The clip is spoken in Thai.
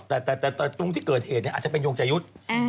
แต่ตรงที่เกิดเหตุอาจจะเป็นยงจะยุทธ์